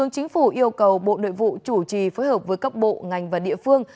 chính phủ yêu cầu bộ nội vụ chủ trì phối hợp với các bộ ngành và địa phương